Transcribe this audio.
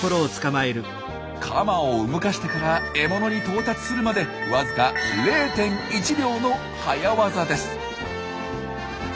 カマを動かしてから獲物に到達するまでわずか０．１秒の早業です。